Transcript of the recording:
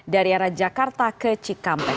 dari arah jakarta ke cikampek